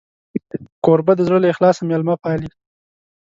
کوربه د زړه له اخلاصه میلمه پالي.